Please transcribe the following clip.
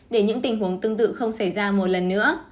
để những tình huống tương tự không xảy ra một lần nữa